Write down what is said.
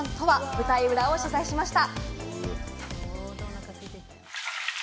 舞台裏を取材しました。